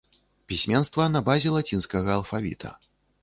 Пісьменства на базе лацінскага алфавіта.